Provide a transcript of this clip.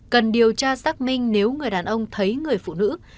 cần điều tra xác minh nếu người đàn ông thấy người phụ nữ